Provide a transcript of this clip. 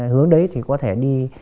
hướng đấy thì có thể đi